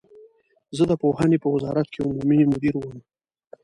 زه د پوهنې په وزارت کې عمومي مدیر وم.